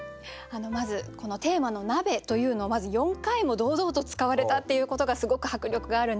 まずこのテーマの「鍋」というのをまず４回も堂々と使われたっていうことがすごく迫力があるなと。